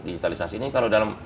digitalisasi ini kalau dalam